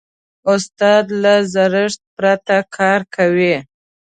استاد له زړښت پرته کار کوي.